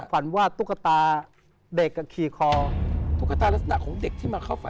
ฝันว่าตุ๊กตาเด็กขี่คอตุ๊กตาลักษณะของเด็กที่มาเข้าฝัน